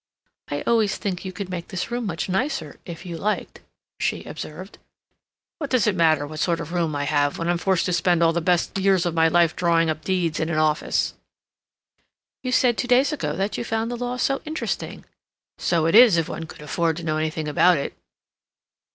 "I always think you could make this room much nicer, if you liked," she observed. "What does it matter what sort of room I have when I'm forced to spend all the best years of my life drawing up deeds in an office?" "You said two days ago that you found the law so interesting." "So it is if one could afford to know anything about it."